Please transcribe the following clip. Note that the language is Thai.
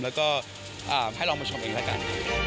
แล้วก็ให้เรามาชมเองละกัน